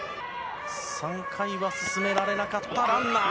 ３回は進められなかったランナー。